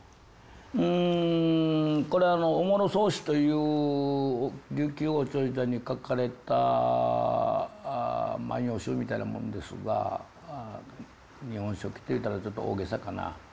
うんこれはあの「おもろそうし」という琉球王朝時代に書かれた「万葉集」みたいなもんですが「日本書紀」と言うたらちょっと大げさかな。